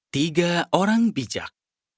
tiga orang bijak